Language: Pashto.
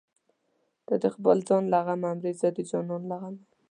ته د خپل ځان له غمه مرې زه د جانان له غمه